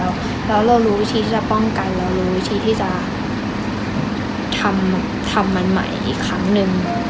แล้วเรารู้ที่จะป้องกันเรารู้วิธีที่จะทำมันใหม่อีกครั้งหนึ่ง